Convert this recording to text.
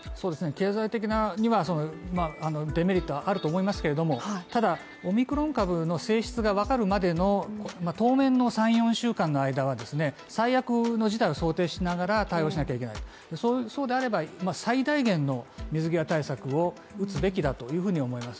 経済的なデメリットはあると思いますけれども、ただ、オミクロン株の性質がわかるまでの当面の三、四週間の間はですね、最悪の事態を想定しながら対応しなきゃいけない最大限の水際対策を打つべきだというふうに思います